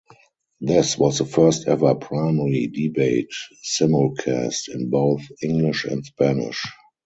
This was the first ever primary debate simulcast in both English and Spanish.